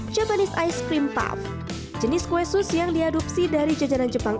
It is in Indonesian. japanese ice cream puff jenis kue sus yang diadopsi dari jajanan jepang